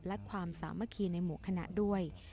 และความสามัคคีในหมู่คณะด้วย